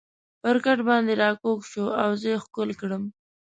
پر کټ باندې را کږ شو او زه یې ښکل کړم.